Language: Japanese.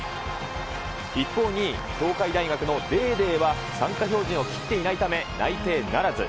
一方、２位、東海大学のデーデーは参加記録を切っていないため、内定ならず。